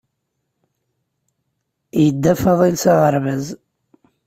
Yedda Faḍil s aɣerbaz.